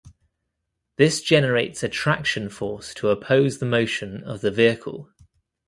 This generates a traction force to oppose the motion of the vehicle.